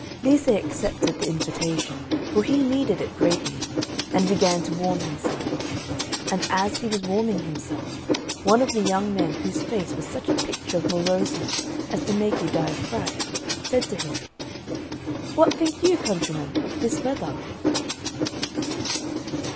Lise accepted the invitation, for he needed it greatly, and began to warm himself. And as he was warming himself, one of the young men whose face was such a picture of moroseness as to make you die of fright, said to him, "What think you, countryman, of this weather?"